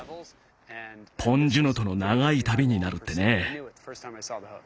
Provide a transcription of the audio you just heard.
ポン・ジュノとの長い旅になるってね。